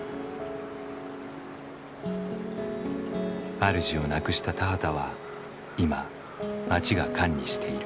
あるじをなくした田畑は今町が管理している。